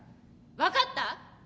分かった？